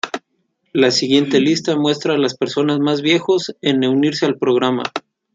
La siguiente lista muestra a las personas más viejos en unirse al programa.